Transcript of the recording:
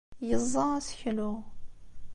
Yeẓẓa aseklu.